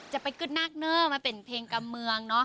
จะป้าปี้กึดนักเงินไปเป็นเพลงกำเมืองเนาะ